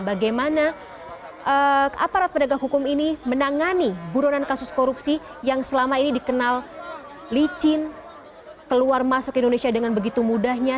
bagaimana aparat pedagang hukum ini menangani buronan kasus korupsi yang selama ini dikenal licin keluar masuk indonesia dengan begitu mudahnya